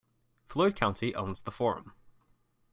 Floyd County owns the Forum.